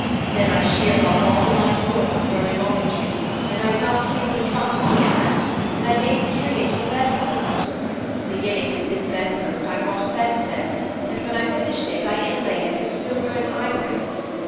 Then I sheared off all the light wood on the growing olive tree, and I rough hewed the trunk with the adze, and I made the tree into a bed post. Beginning with this bed post I wrought a bedstead, and when I finished it, I inlaid it with silver and ivory.